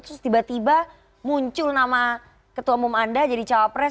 terus tiba tiba muncul nama ketua umum anda jadi cawapres